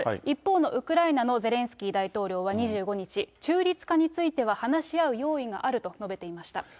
一方のウクライナのゼレンスキー大統領は２５日、中立化については話し合う用意があると述べていました。